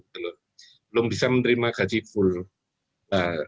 belum bisa menerima gaji full